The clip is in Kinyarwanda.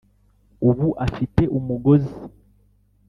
ubu afite umugozi.